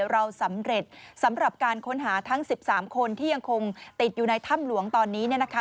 เราสำเร็จสำหรับการค้นหาทั้ง๑๓คนที่ยังคงติดอยู่ในถ้ำหลวงตอนนี้เนี่ยนะคะ